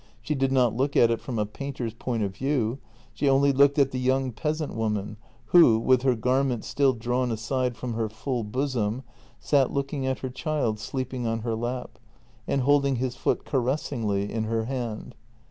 She did not look at it from a painter's point of view; she only looked at the young peasant woman who, with her garment still drawn aside from her full bosom, sat looking at her child sleeping on her lap, and holding his foot cares singly in her hand.